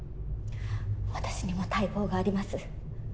私にも大望があります。